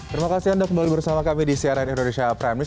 terima kasih anda kembali bersama kami di cnn indonesia prime news